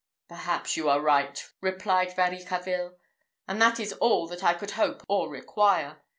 "Perhaps you are right," replied Varicarville, "and that is all that I could hope or require.